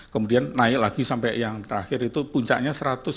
kemudian naik lagi sampai yang terakhir itu puncaknya satu ratus tujuh puluh